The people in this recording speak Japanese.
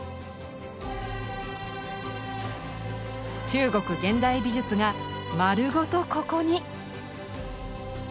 中国現代美術が丸ごとここに！